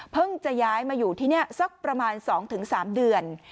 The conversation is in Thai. เพิ่งจะย้ายมาอยู่ที่เนี่ยสักประมาณสองถึงสามเดือน